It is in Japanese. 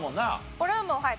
これはもうはい。